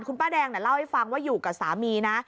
คุณป้าแดงเล่าให้ฟังว่าอยู่กับสามีนะ